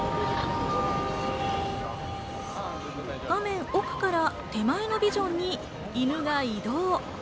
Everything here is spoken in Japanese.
画面奥から手前のビジョンに犬が移動。